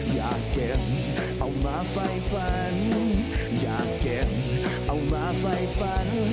อยากเก็บเอามาไฟฝันอยากเก็บเอามาไฟฝัน